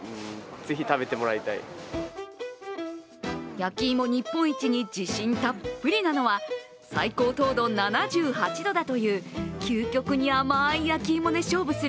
焼き芋日本一に自信たっぷりなのは最高糖度７８度だという究極に甘い焼き芋で勝負する